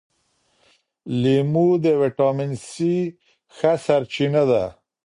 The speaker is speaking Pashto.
لیمو د ویټامین سي ښه سرچینه ده.